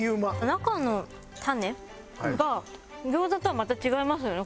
中のタネが餃子とはまた違いますよね